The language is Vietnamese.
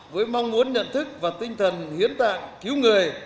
với mong muốn nhận thức và tinh thần hiến tạng cứu người